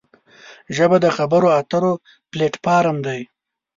ژبه د خبرو اترو پلیټ فارم دی